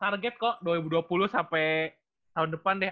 target kok dua ribu dua puluh sampai tahun depan deh